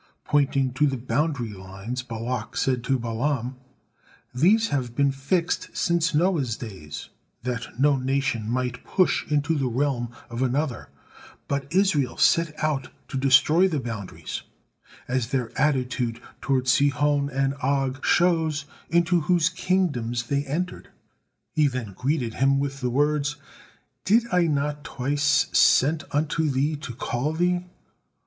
Pointing to the boundary lines, Balak said to Balaam: "These have been fixed since Noah's days, that no nation might push into the realm of another, but Israel set out to destroy the boundaries, as their attitude toward Sihon and Og shows, into whose kingdoms they entered." He then greeted him with the words: "Did I not twice sent unto thee to call thee?